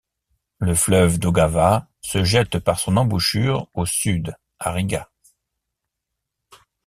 Le fleuve Daugava se jette par son embouchure au Sud, à Riga.